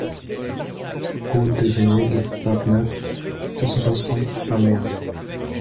Route du Venneg, vingt-neuf, deux cent soixante Saint-Méen